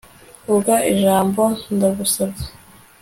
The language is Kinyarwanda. vuga ijambo, ndagusabye